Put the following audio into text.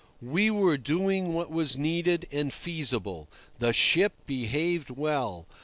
We were doing what was needed and feasible. The ship behaved well.